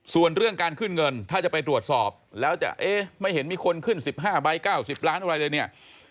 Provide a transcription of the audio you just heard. ส่วนเรื่องการขึ้นเงินถ้าจะไปตรวจสอบแล้วจะเอ๊ะไม่เห็นมีคนขึ้น๑๕ใบ๙๐ล้านอะไรเลยเนี่ย